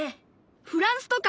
フランスとか。